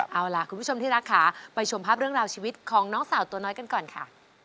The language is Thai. เอาล่ะคุณผู้ชมที่รักค่ะไปชมภาพเรื่องราวชีวิตของน้องสาวตัวน้อยกันก่อนค่ะ